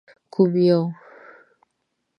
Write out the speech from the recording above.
_کوم يو؟